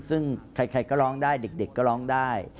ซึ่งใครก็ร้องได้เด็กก็ร้องได้